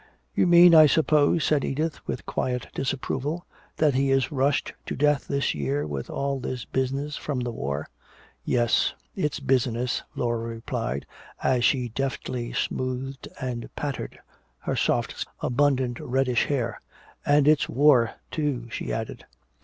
"You mean, I suppose," said Edith, with quiet disapproval, "that he is rushed to death this year with all this business from the war." "Yes, it's business," Laura replied, as she deftly smoothed and patted her soft, abundant, reddish hair. "And it's war, too," she added.